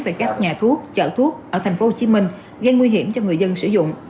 về các nhà thuốc chợ thuốc ở tp hcm gây nguy hiểm cho người dân sử dụng